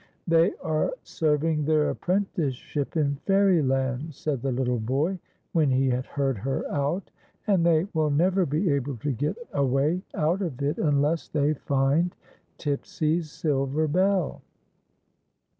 " They are serving their apprenticeship in Fairy land," said the little boy, when he had heard her out ;" and they will never be able to get away out of it unless they find Tipsy's silver bell."